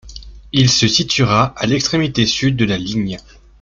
Il se situera à l'extrémité sud de la ligne.